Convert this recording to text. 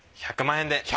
１００万円で。